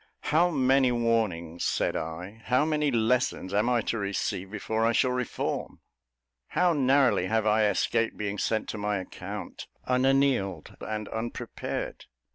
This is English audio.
"How many warnings," said I, "how many lessons am I to receive before I shall reform? How narrowly have I escaped being sent to my account 'unanealed' and unprepared!